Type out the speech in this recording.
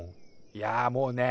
いやもうね。